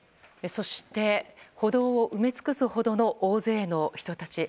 そして、歩道を埋め尽くすほどの大勢の人たち。